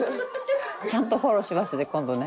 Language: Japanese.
ちゃんとフォローしますね今度ね。